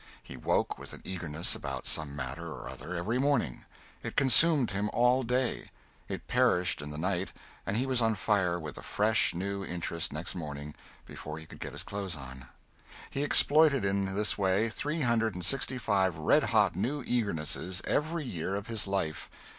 He woke with an eagerness about some matter or other every morning; it consumed him all day; it perished in the night and he was on fire with a fresh new interest next morning before he could get his clothes on. He exploited in this way three hundred and sixty five red hot new eagernesses every year of his life.